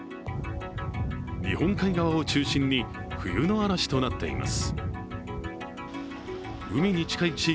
日本海側を中心に、冬の嵐となっています。